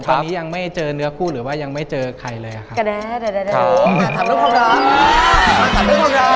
ตอนนี้ยังไม่เจอเนื้อคู่หรือว่ายังไม่เจอใครเลยครับ